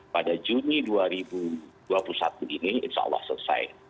pada juni dua ribu dua puluh satu ini insya allah selesai